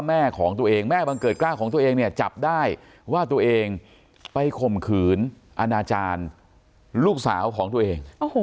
แม่ของตัวเองแม่บังเกิดกล้าของตัวเองเนี่ยจับได้ว่าตัวเองไปข่มขืนอนาจารย์ลูกสาวของตัวเอง